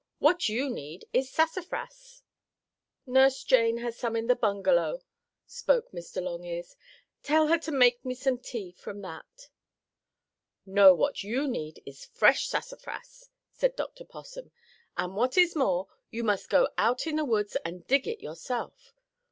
What you need is sassafras." "Nurse Jane has some in the bungalow," spoke Mr. Longears. "Tell her to make me some tea from that." "No, what is needed is fresh sassafras," said Dr. Possum. "And, what is more, you must go out in the woods and dig it yourself.